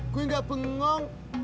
gue gak bengong